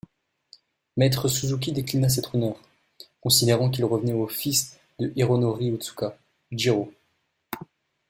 Maître Suzuki déclina cet honneur, considérant qu’il revenait au fils de Hironori Otsuka, Jiro.